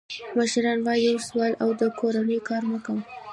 مشران وایي: یو سوال او د کونې کار مه کوه.